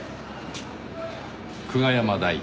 久我山大樹。